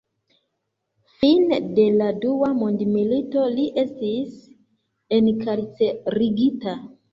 Fine de la dua mondmilito li estis enkarcerigita.